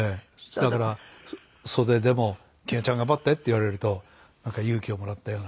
だから袖でも「欣也ちゃん頑張って」って言われるとなんか勇気をもらったような。